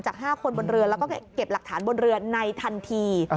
๕คนบนเรือแล้วก็เก็บหลักฐานบนเรือในทันที